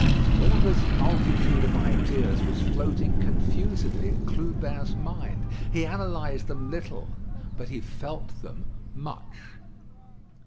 All this multitude of ideas was floating confusedly in Clubin's mind. He analysed them little, but he felt them much.